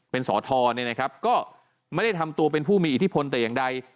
เป็นสอทรก็ไม่ได้ทำตัวเป็นผู้มีอิทธิพลแต่อย่างใด